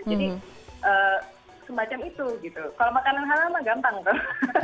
jadi semacam itu gitu kalau makanan halal mah gampang tuh